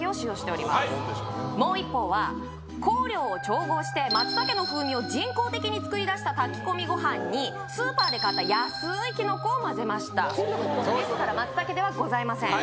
はいもう一方は香料を調合して松茸の風味を人工的に作り出した炊き込みご飯にスーパーで買った安ーいキノコを混ぜましたですから松茸ではございません